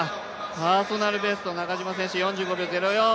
パーソナルベスト、中島選手、４５秒０４。